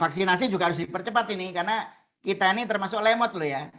vaksinasi juga harus dipercepat karena kita ini termasuk lemot